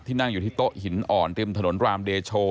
นั่งอยู่ที่โต๊ะหินอ่อนริมถนนรามเดโช